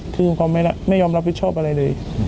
คือเขาไม่ยอมรับผิดชอบอะไรเลย